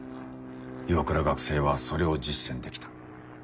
岩倉学生はそれを実践できた。